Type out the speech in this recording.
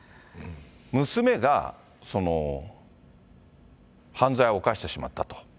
娘が、犯罪を犯してしまったと。